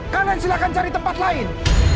kalian silahkan cari tempat lain